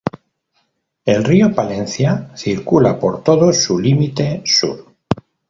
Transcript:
El río Palancia circula por todo su límite sur.